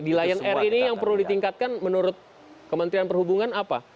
di lion air ini yang perlu ditingkatkan menurut kementerian perhubungan apa